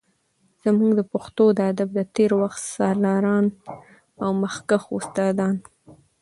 زمونږ د پښتو د ادب د تیر وخت سالاران او مخکښ استادان